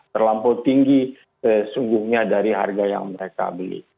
terlampau tinggi sesungguhnya dari harga yang mereka beli